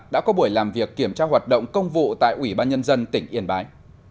đã có buổi làm việc kiểm tra hoạt động công vụ tại ủy ban nhân dân tỉnh yên bái